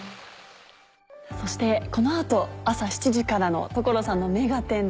そしてこの後朝７時からの『所さんの目がテン！』